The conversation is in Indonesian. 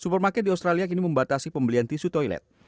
supermarket di australia kini membatasi pembelian tisu toilet